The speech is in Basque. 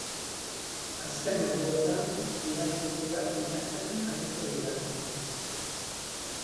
Azken orduotan, ibai inguruak miatzen aritu dira.